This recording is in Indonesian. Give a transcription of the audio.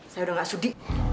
saya udah nggak sudik